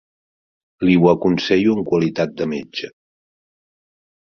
Li ho aconsello en qualitat de metge.